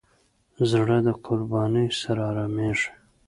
زړه د قربانۍ سره آرامېږي.